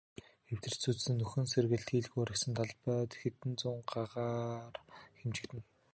Эвдэрч сүйдсэн, нөхөн сэргээлт хийлгүй орхисон талбай хэдэн зуун гагаар хэмжигдэнэ.